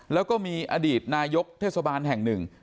แล้วก็มีอดีตนายกเทศบาลแห่งหนึ่ง